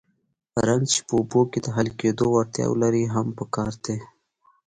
رنګ چې په اوبو کې د حل کېدو وړتیا ولري هم پکار دی.